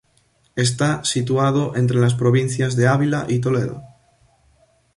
Está situado entre las provincias de Ávila y Toledo.